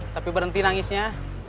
tapi berhenti nangisnya